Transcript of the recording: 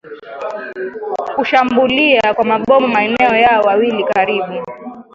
kushambulia kwa mabomu maeneo yao mawili karibu